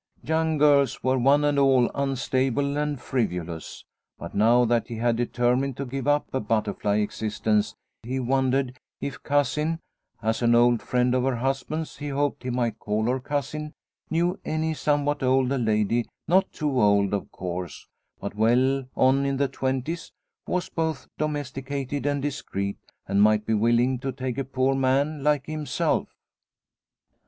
Young girls were, one and all, unstable and frivolous, but now that he had determined to give up a butterfly existence he wondered if Cousin as an old friend of her husband's he hoped he might call her Cousin knew any somewhat older lady not too old, of course, but well on in the twenties who was both domesticated and discreet and might be willing to take a poor man like himself.